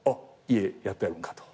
家やっとやるんかと。